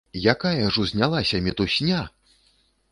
Якая ж узнялася мітусня!